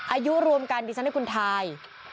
อายุรวมกันดิฉันให้คุณทาย